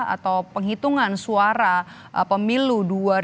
atau penghitungan suara pemilu dua ribu dua puluh